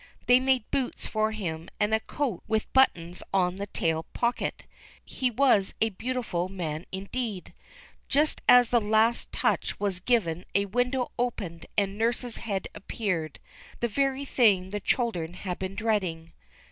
They made boots for him and a coat with buttons on the tail pocket ; he was a beautiful man indeed ! Just as the last touch was given a window opened and nurse's head appeared, the very thing the children had been dreading.